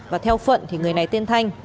và theo phận thì người này tên thanh